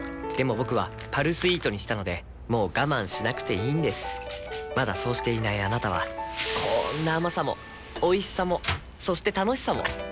僕は「パルスイート」にしたのでもう我慢しなくていいんですまだそうしていないあなたはこんな甘さもおいしさもそして楽しさもあちっ。